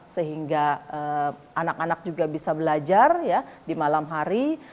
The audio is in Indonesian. sehingga anak anak juga bisa belajar ya di malam hari